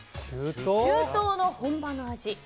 中東の本場の味。